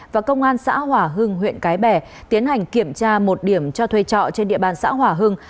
và công an xã hỏa hưng huyện cái bẻ tiến hành kiểm tra một điểm cho thuê trọ trên địa bàn xã hỏa hưng